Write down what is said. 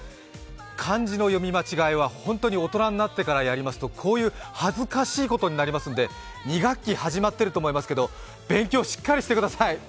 漢字の読み間違いは本当に大人になってからやりますと、こういう恥ずかしいことになりますので２学期始まっていると思いますけど、勉強、しっかりしてください！